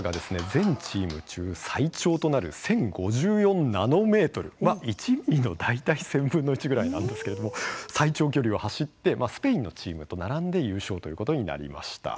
全チーム中、最長となる１０５４ナノメートルは１ｍｍの大体１０００分の１ぐらいなんですけれども最長距離を走ってスペインのチームと並んで優勝ということになりました。